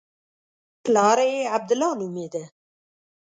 پلار یې عبدالله نومېده.